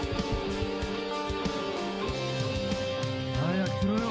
早くしろよ！